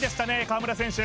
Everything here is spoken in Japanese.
川村選手